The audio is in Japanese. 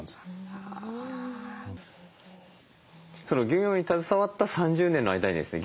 漁業に携わった３０年の間にですね